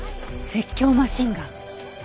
説教マシンガン？